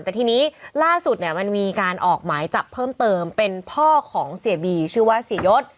แต่ทีนี้ล่าสุดเนี่ยมันมีการออกหมายจับเพิ่มเติมเป็นพ่อของเสียบีชื่อว่าเสียยศ